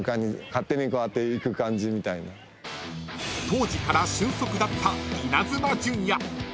［当時から俊足だったイナズマ純也］